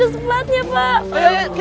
presiden gak mampir kan pak